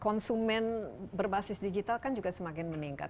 konsumen berbasis digital kan juga semakin meningkat